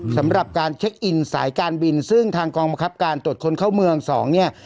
สำหรับการเช็คอินสายการบินซึ่งทางกองบังคับการตรวจคนเข้าเมือง๒เนี่ย